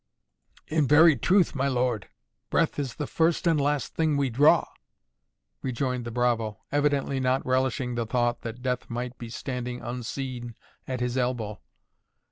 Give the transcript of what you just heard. "In very truth, my lord, breath is the first and last thing we draw " rejoined the bravo, evidently not relishing the thought that death might be standing unseen at his elbow.